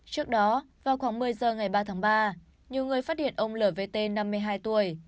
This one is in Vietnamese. trước đó vào khoảng một mươi giờ ngày ba tháng ba nhiều người phát hiện ông lvt năm mươi hai tuổi